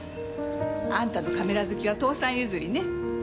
あんたのカメラ好きは父さん譲りね。